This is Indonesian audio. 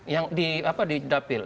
yang di dapil